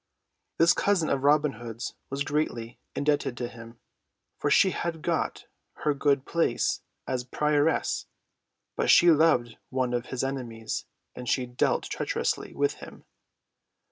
This cousin of Robin Hood's was greatly indebted to him, for he had got her her good place as prioress. But she loved one of his enemies, and she dealt treacherously with him.